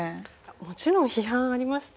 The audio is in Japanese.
もちろん批判ありましたね。